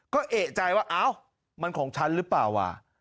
ก็เอกใจว่าอ้าวมันของฉันหรือเปล่าว่ะ